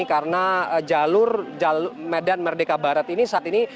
karena jalur medan merdeka barat ini saat ini